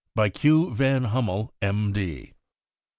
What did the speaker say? BY Q. VAN HUMMELL, M. D.